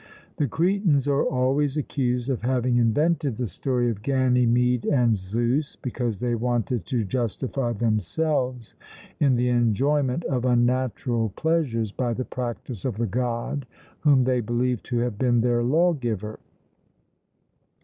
The Cretans are always accused of having invented the story of Ganymede and Zeus because they wanted to justify themselves in the enjoyment of unnatural pleasures by the practice of the god whom they believe to have been their lawgiver.